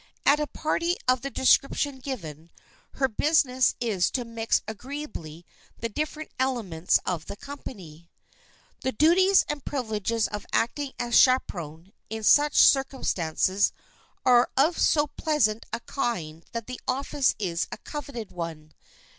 At a party of the description given, her business is to mix agreeably the different elements of the company. The duties and privileges of acting as chaperon, in such circumstances, are of so pleasant a kind that the office is a coveted one.